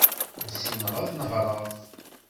Ur ssineɣ ad nehreɣ.